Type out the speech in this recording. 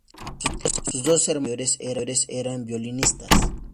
Sus dos hermanos mayores eran violinistas.